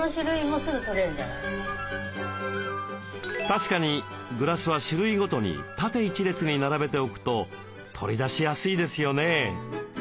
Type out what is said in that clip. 確かにグラスは種類ごとに縦一列に並べておくと取り出しやすいですよね。